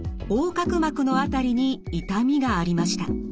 隔膜の辺りに痛みがありました。